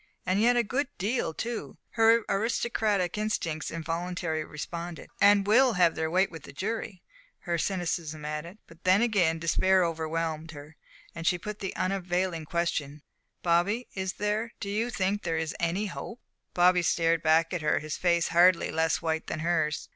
"And yet a good deal, too," her aristocratic instincts involuntarily responded; "and will have their weight with the jury," her cynicism added. But then again despair overwhelmed her, and she put the unavailing question: "Bobby, is there do you think there is any hope?" Bobby stared back at her, his face hardly less white than hers.